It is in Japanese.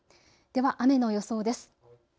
では雨の予想です。